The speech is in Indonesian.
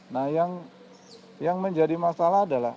nah yang menjadi masalah adalah